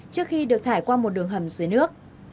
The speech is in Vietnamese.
trước khi được thải qua một đường hầm dưới nước